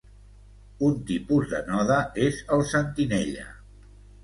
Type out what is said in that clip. Un tipus de node és el sentinella.